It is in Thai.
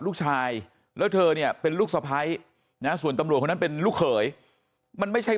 ลูกชายแล้วเธอเนี่ยเป็นลูกสะพ้ายนะส่วนตำรวจคนนั้นเป็นลูกเขยมันไม่ใช่